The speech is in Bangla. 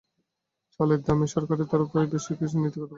চালের দাম কমাতে সরকারের তরফে বেশ কিছু নীতিগত উদ্যোগ নেওয়া হয়েছে।